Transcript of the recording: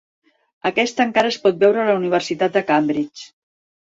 Aquesta encara es pot veure a la Universitat de Cambridge.